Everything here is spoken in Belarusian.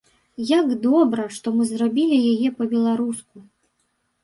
Як добра, што мы зрабілі яе па-беларуску!